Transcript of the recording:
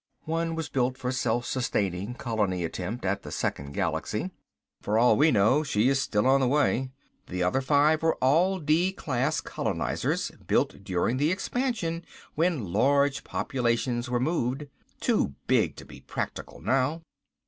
One was built for self sustaining colony attempt at the second galaxy. For all we know she is still on the way. The other five were all D class colonizers, built during the Expansion when large populations were moved. Too big to be practical now.